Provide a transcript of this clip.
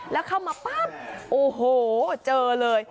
แล้วเข้ามาปั๊บโอ้โหเจอเลย